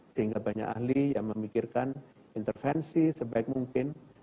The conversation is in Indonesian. sehingga banyak ahli yang memikirkan intervensi sebaik mungkin untuk mencari vaksin yang berbeda